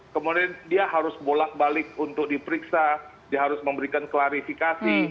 kemudian dia harus bolak balik untuk diperiksa dia harus memberikan klarifikasi